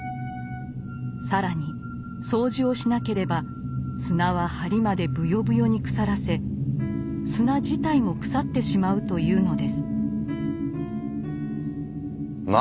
更に掃除をしなければ砂は梁までぶよぶよに腐らせ砂自体も腐ってしまうというのです。